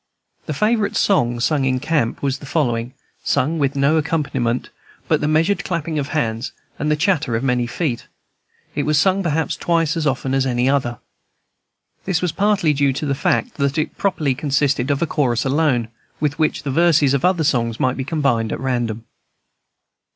The favorite song in camp was the following, sung with no accompaniment but the measured clapping of hands and the clatter of many feet. It was sung perhaps twice as often as any other. This was partly due to the fact that it properly consisted of a chorus alone, with which the verses of other songs might be combined at random.